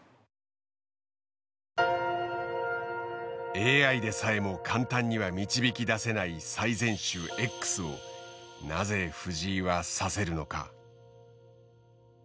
ＡＩでさえも簡単には導き出せない最善手Ｘをなぜ藤井は指せるのか。